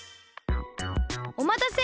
おまたせ！